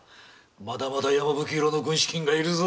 まだまだ山吹色の軍資金が要るぞ！